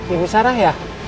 ibu sarah ya